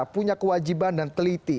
punya kewajiban dan teliti